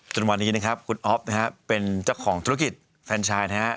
จนวันนี้นะครับคุณอ๊อฟนะฮะเป็นเจ้าของธุรกิจแฟนชายนะฮะ